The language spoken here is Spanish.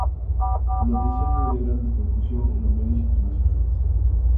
La noticia fue de gran repercusión en los medios internacionales.